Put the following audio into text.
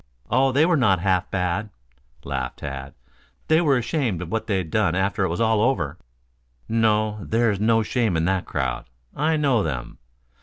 "Oh, they were not half bad," laughed Tad. "They were ashamed of what they'd done after it was all over." "No. There's no shame in that crowd. I know them.